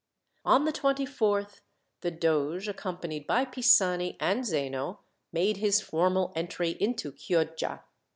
On the 24th the doge, accompanied by Pisani and Zeno, made his formal entry into Chioggia.